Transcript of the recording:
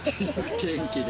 元気で。